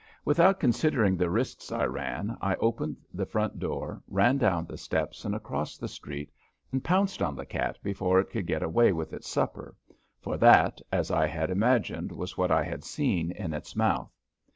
Without considering the risks I ran, I opened the front door, ran down the steps and across the street, and pounced on the cat before it could get away with its supper, for that, as I had imagined, was what I had seen in its mouth.